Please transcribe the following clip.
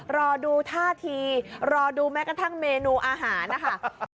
รอดูท่าทีรอดูแม้กระทั่งเมนูอาหารนะคะ